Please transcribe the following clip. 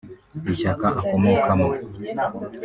Ishyaka akomokamo